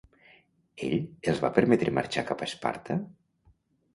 Ell els va permetre marxar cap a Esparta?